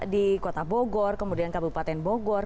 di kota bogor kemudian kabupaten bogor